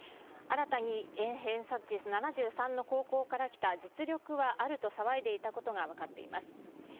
新たに偏差値７３の高校から来た、実力はあると騒いでいたことが分かっています。